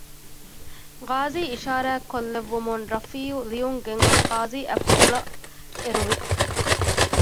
ގާޒީ އިޝާރާތްކޮށްލެއްވުމުން ރަފީއު ލިޔުން ގެންގޮސް ގާޒީ އަތްޕުޅަށް އެރުވި